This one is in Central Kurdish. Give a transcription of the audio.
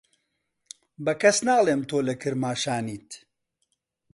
بە کەس ناڵێم تۆ لە کرماشانیت.